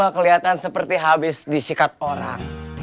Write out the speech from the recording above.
kamu gak keliatan seperti habis disikat orang